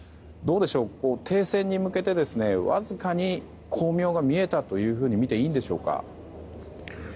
どうでしょう、停戦に向けてわずかに光明が見えたというふうに見ていいんでしょうか。